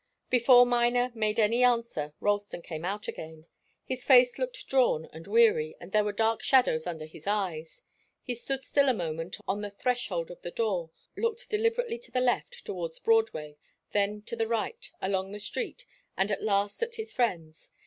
Before Miner made any answer, Ralston came out again. His face looked drawn and weary and there were dark shadows under his eyes. He stood still a moment on the threshold of the door, looked deliberately to the left, towards Broadway, then to the right, along the street, and at last at his friends.